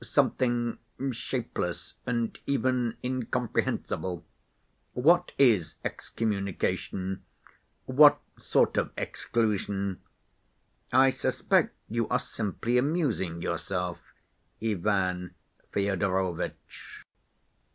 Something shapeless and even incomprehensible. What is excommunication? What sort of exclusion? I suspect you are simply amusing yourself, Ivan Fyodorovitch."